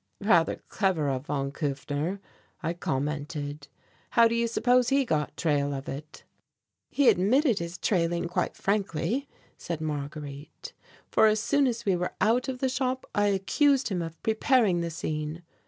"Rather clever of von Kufner," I commented; "how do you suppose he got trail of it?" "He admitted his trailing quite frankly," said Marguerite, "for as soon as we were out of the shop, I accused him of preparing the scene.